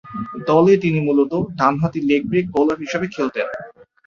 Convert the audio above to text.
দলে তিনি মূলতঃ ডানহাতি লেগ ব্রেক বোলার হিসেবে খেলতেন।